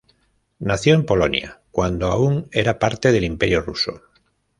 Nació en Polonia cuando aún era parte del Imperio ruso.